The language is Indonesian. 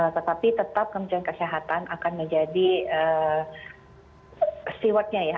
tetapi tetap kementerian kesehatan akan menjadi seawardnya ya